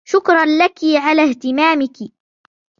شكراً لكِ على إهتمامِك.